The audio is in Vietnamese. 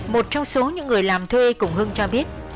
một trong số những người làm thuê cùng hưng cho biết